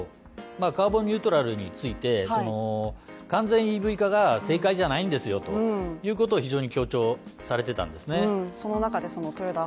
カーボンニュートラルについて完全ＥＶ化が正解じゃないんですよということを非常に強調されてたんですね